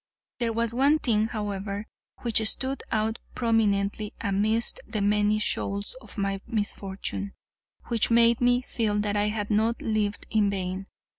There was one thing, however, which stood out prominently amidst the many shoals of my misfortune, which made me feel that I had not lived in vain.